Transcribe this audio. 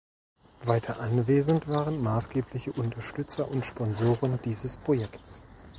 Weiter anwesend waren maßgebliche Unterstützer und Sponsoren dieses Projekts.